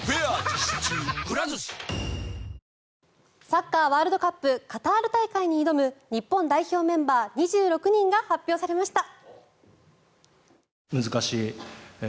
サッカーワールドカップカタール大会に挑む日本代表メンバー２６人が発表されました。